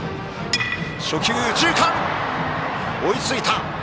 右中間、追いついた。